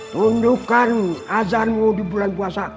tundukkan azanmu di bulan puasa